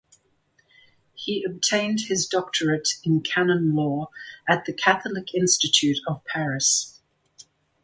He obtained his doctorate in canon law at the Catholic Institute of Paris.